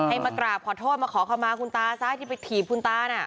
มากราบขอโทษมาขอคำมาคุณตาซะที่ไปถีบคุณตาน่ะ